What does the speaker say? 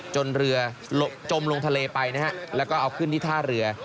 เรือจมลงทะเลไปนะฮะแล้วก็เอาขึ้นที่ท่าเรือ